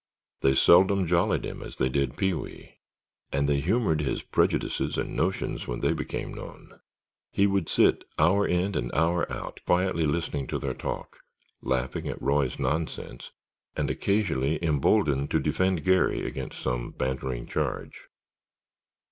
They seldom jollied him as they did Pee wee and they humored his prejudices and notions when those became known. He would sit, hour in and hour out, quietly listening to their talk, laughing at Roy's nonsense, and occasionally emboldened to defend Garry against some bantering charge.